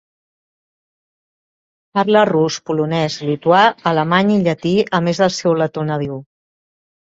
Parla rus, polonès, lituà, alemany i llatí, a més del seu letó nadiu.